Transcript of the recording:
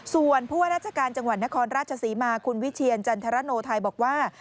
ส่วนผู้ว่าราชการจังหวัดนครราชศรีมาคุณวิเชียรจันทรโนไทยบอกว่า